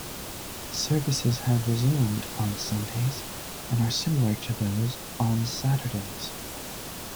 Services have resumed on Sundays and are similar to those on Saturdays.